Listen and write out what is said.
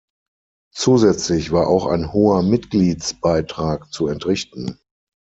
Zusätzlich war auch ein hoher Mitgliedsbeitrag zu entrichten.